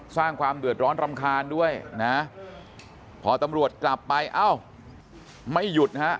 สร้างความเดือดร้อนรำคาญด้วยนะพอตำรวจกลับไปเอ้าไม่หยุดนะฮะ